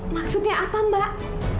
maksudnya apa mbak